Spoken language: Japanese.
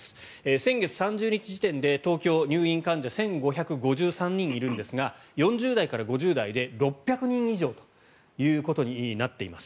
先月３０日時点で東京、入院患者１５５３人いるんですが４０代から５０代で６００人以上となっています。